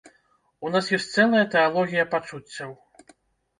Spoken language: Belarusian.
У нас ёсць цэлая тэалогія пачуццяў.